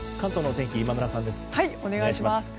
お願いします。